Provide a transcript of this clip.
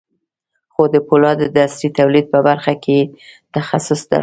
خو د پولادو د عصري تولید په برخه کې یې تخصص درلود